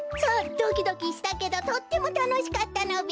ドキドキしたけどとってもたのしかったのべ。